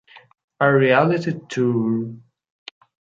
A Reality Tour